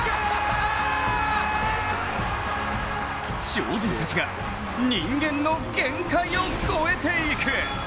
超人たちが人間たちの限界を超えていく。